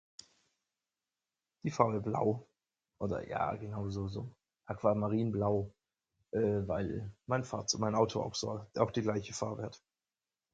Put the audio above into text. Die Farbe Blau oder ja genau so so Aquamarinblau eh, weil mein Fahrz mein Auto auch so auch die gleiche Farbe hat.